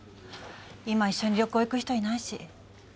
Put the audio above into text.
今一緒に旅行行く人いないし。